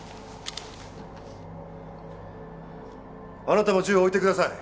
あなたも銃を置いてください。